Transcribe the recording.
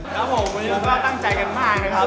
ครับผมวันนี้เราก็ตั้งใจกันมากนะครับ